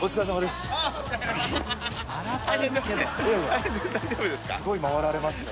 すごい回られますね。